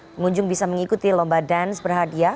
pengunjung bisa mengikuti lomba dance berhadiah